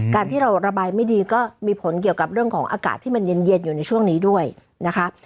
การที่เราระบายไม่ดีก็มีผลเกี่ยวกับเรื่องของอากาศที่มันเย็นอยู่ในช่วงนี้ด้วยนะคะ